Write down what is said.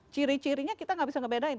ciri cirinya kita gak bisa ngebedain